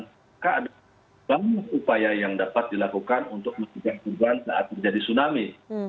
tidak ada banyak upaya yang dapat dilakukan untuk mencegah korban saat menjadi tsunami